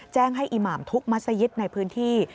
แจ้งให้อิมามทุกต์มัสยิทธิ์ในพื้นที่